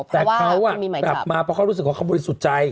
จะกลับมาเพราะเค้ารู้สึกว่าเค้าบริสุทธิ์ใจ